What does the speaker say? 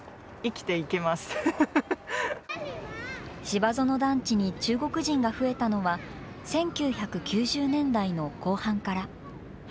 芝園団地に中国人が増えたのは、１９９０年代の後半から。